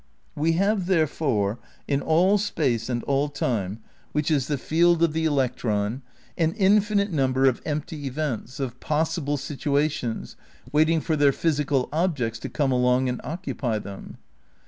We have therefore in all space and all time, which is the field of the electron, an infinite number of empty events, of possible situations, waiting for their physical objects to come along and occupy them.